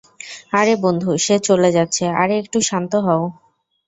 আরে বন্ধু, সে চলে যাচ্ছে -আরে একটু শান্ত হও।